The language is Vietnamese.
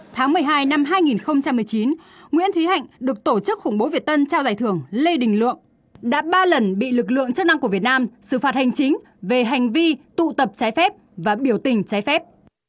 tháng một mươi hai năm hai nghìn một mươi chín nguyễn thúy hạnh được tổ chức khủng bố việt tân trao giải thưởng lê đình lượng đã ba lần bị lực lượng chức năng của việt nam xử phạt hành chính về hành vi tụ tập trái phép và biểu tình trái phép